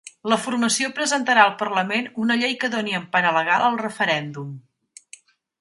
La formació presentarà al parlament una llei que doni empara legal al referèndum.